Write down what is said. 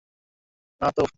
না, তো!